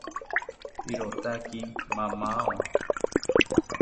Irotaki mamao